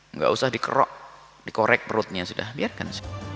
nggak usah dikerok dikorek perutnya sudah biarkan